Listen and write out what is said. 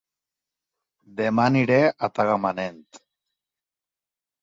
Dema aniré a Tagamanent